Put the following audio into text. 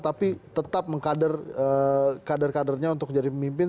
tapi tetap mengkader kader kadernya untuk jadi pemimpin